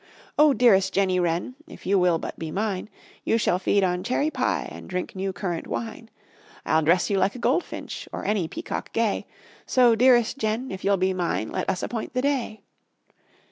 "O, dearest Jenny Wren, if you will but be mine, You shall feed on cherry pie and drink new currant wine, I'll dress you like a goldfinch or any peacock gay, So, dearest Jen, if you'll be mine let us appoint the day."